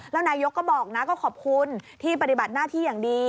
แล้วนายกก็บอกนะก็ขอบคุณที่ปฏิบัติหน้าที่อย่างดี